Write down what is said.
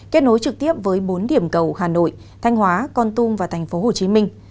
kết nối trực tiếp với bốn điểm cầu hà nội thanh hóa con tum và thành phố hồ chí minh